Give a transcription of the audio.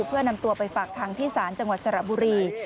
เพื่อนำตัวไปฝากคังที่ศาลจังหวัดสระบุรี